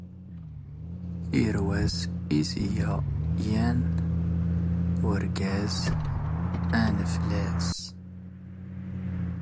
ⵉⵔⵡⴰⵙ ⵉⵙ ⵉⴳⴰ ⵢⴰⵏ ⵓⵔⴳⴰⵣ ⴰⵏⴰⴼⵍⴰⵙ.